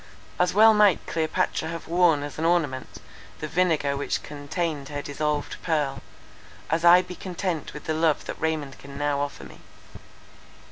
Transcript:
As well might Cleopatra have worn as an ornament the vinegar which contained her dissolved pearl, as I be content with the love that Raymond can now offer me."